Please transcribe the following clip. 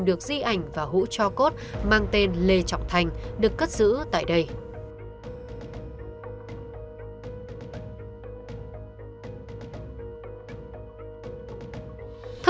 được di ảnh và hũ cho cốt mang tên lê trọng thành được cất giữ tại đây ừ ừ